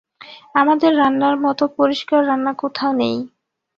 আমাদের রান্নার মত পরিষ্কার রান্না কোথাও নেই।